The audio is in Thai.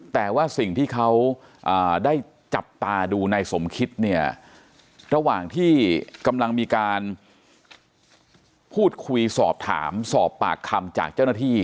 แต่ว่าสิ่งที่เขาได้จับตาดูนายสมคิดเนี่ยระหว่างที่กำลังมีการพูดคุยสอบถามสอบปากคำจากเจ้าหน้าที่